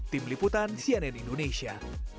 tim liputan cnn indonesia